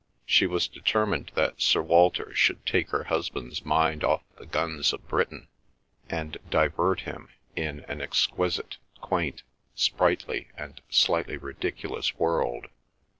She was determined that Sir Walter should take her husband's mind off the guns of Britain, and divert him in an exquisite, quaint, sprightly, and slightly ridiculous world.